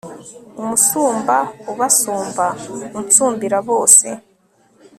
umusumba ubasumba unsumbira bose